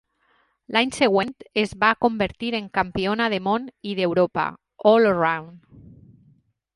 L'any següent es va convertir en campiona de món i d'Europa "All-Around".